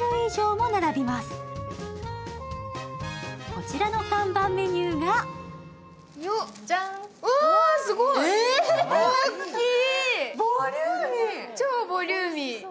こちらの看板メニューが超ボリューミー。